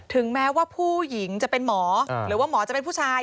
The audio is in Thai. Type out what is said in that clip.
ถึงแม้ว่าผู้หญิงจะเป็นหมอหรือว่าหมอจะเป็นผู้ชาย